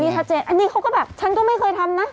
ชัดเจนอันนี้เขาก็แบบฉันก็ไม่เคยทำนะ